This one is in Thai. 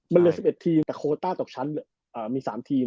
มันเหลือ๑๑ทีมแต่โคต้าตกชั้นมี๓ทีม